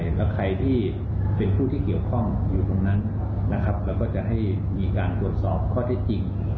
แล้วใครที่เป็นผู้ที่เกี่ยวข้องอยู่ตรงนั้นเราก็จะให้มีการรับสิทธิ์ข้อให้จริง